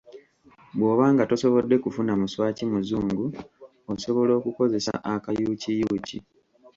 Bw'oba nga tosobodde kufuna muswaki muzungu, osobola okukozesa akayukiyuuki.